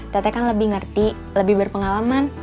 tete kan lebih ngerti lebih berpengalaman